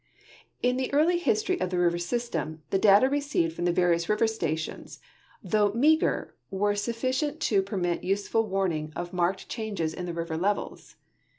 In the early history of the river s\\stem the data received from the various river stations, tbougb meager, were sufficient to i>er mit useful warning of marked changes in the river levels.